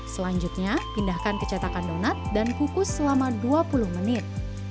selanjutnya pindahkan ke cetakan donat dan kukus selama dua puluh menit